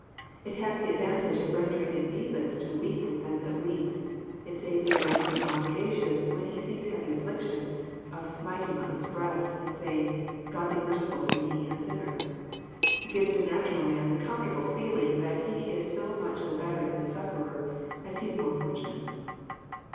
It has the advantage of rendering it needless to weep with them that weep. It saves a man f^om the obliga tion, when he sees heavy affliction, of smiting on his breast, and saying <Ood be merciful to me a sinner.' It gives the natural man the comfortable feeling that he is so much the better than the sufferer, as he is more fortunate."